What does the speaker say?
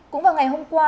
cũng vào ngày hôm qua